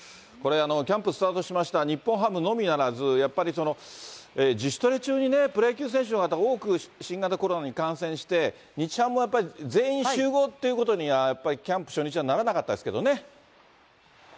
これ、キャンプスタートしました、日本ハムのみならず、やっぱり自主トレ中にプロ野球選手の方、多く新型コロナに感染して、日ハムはやっぱり全員集合ということには、やっぱりキャンプ初日そうですね。